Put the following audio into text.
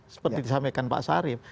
seperti disampaikan pak sarif